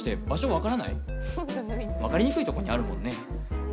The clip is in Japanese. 分かりにくいとこにあるもんね。